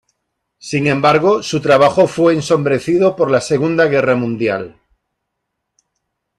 Sin embargo, su trabajo fue ensombrecido por la Segunda Guerra Mundial.